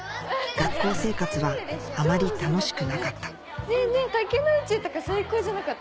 学校生活はあまり楽しくなかった竹野内豊最高じゃなかった？